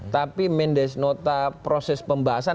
tapi mendes nota proses pembahasan